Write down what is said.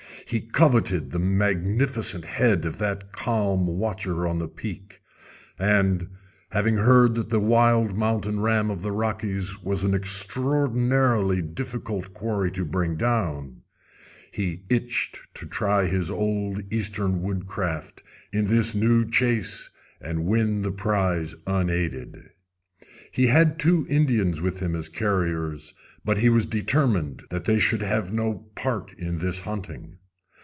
He coveted the magnificent head of that calm watcher on the peak; and, having heard that the wild mountain ram of the Rockies was an extraordinarily difficult quarry to bring down, he itched to try his old eastern woodcraft in this new chase and win the prize unaided. He had two Indians with him as carriers, but he was determined that they should have no part in this hunting.